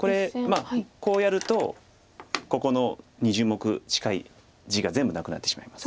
こうやるとここの２０目近い地が全部なくなってしまいます。